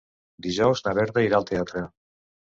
Dijous na Berta irà al teatre.